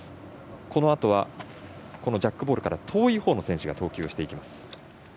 このあとはジャックボールから遠いほうの選手が投球をしていきます。